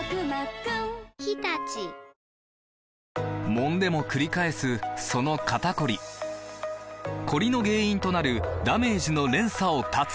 もんでもくり返すその肩こりコリの原因となるダメージの連鎖を断つ！